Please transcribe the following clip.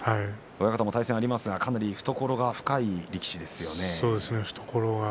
親方も対戦がありますが懐が深いですね。